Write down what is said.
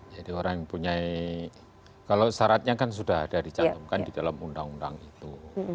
jadi orang yang punya kalau syaratnya kan sudah ada dicantumkan di dalam undang undang itu